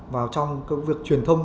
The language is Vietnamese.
vào trong công việc truyền thông